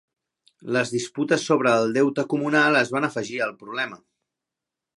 Les disputes sobre el deute comunal es van afegir al problema.